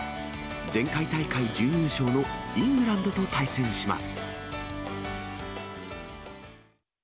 前回大会準優勝のイングランドと対戦します。